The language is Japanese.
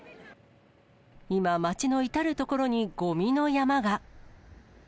今、街の至る所にごみの山が。